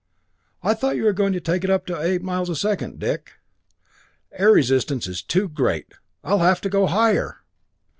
"I thought you were going to take it up to eight miles a second, Dick?" "Air resistance is too great! I'll have to go higher!"